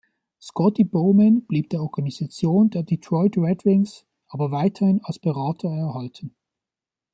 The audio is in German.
Scotty Bowman blieb der Organisation der Detroit Red Wings aber weiterhin als Berater erhalten.